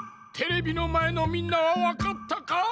テレビのまえのみんなはわかったか？